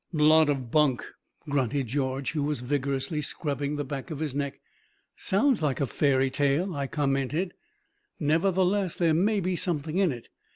"Lot of bunk!" grunted George, who was vigorously scrubbing the back of his neck. "Sounds like a fairy tale," I commented. "Nevertheless, there may be something in it.